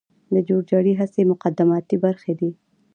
د جور جارې هڅې مقدماتي برخي دي.